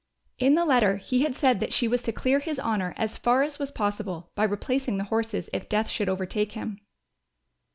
In the letter he had said that she was to clear his honour as far as was possible by replacing the horses if death should overtake him.